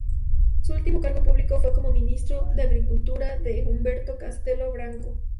Su último cargo público fue como Ministro de Agricultura de Humberto Castelo Branco.